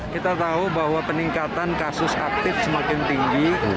kita tahu bahwa peningkatan kasus aktif semakin tinggi